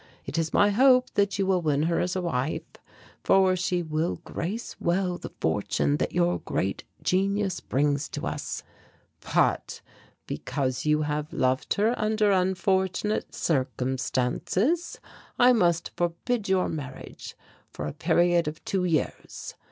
It is my hope that you will win her as a wife, for she will grace well the fortune that your great genius brings to us. But because you have loved her under unfortunate circumstances I must forbid your marriage for a period of two years.